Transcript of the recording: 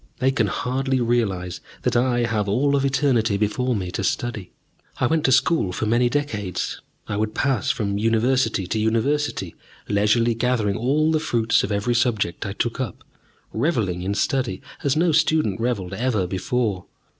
They can hardly realize that I have all of eternity before me to study. I went to school for many decades. I would pass from University to University, leisurely gathering all the fruits of every subject I took up, revelling in study as no student revelled ever before.